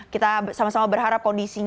kita sama sama berharap kondisi tersebut baik